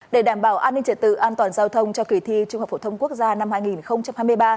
để đảm bảo an ninh trật tự an toàn giao thông cho kỳ thi trung học phổ thông quốc gia năm hai nghìn hai mươi ba